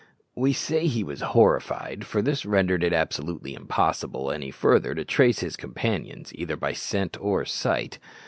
We say he was horrified, for this rendered it absolutely impossible any further to trace his companions either by scent or sight.